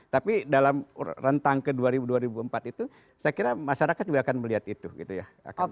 tapi dalam rentang ke dua ribu empat itu saya kira masyarakat juga akan melihat itu gitu ya